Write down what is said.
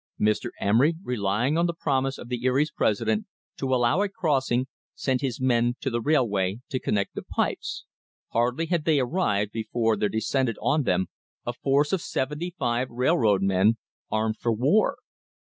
Mr. Emery, relying on the promise of the Erie's president to allow a crossing, sent his men to the railway to connect the pipes. Hardly had they arrived before there descended on them a force of seventy five rail road men armed for war.